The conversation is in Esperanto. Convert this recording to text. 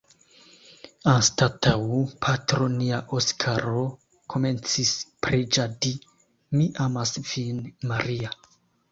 Anstataŭ “Patro nia Oskaro komencis preĝadi Mi amas vin, Maria.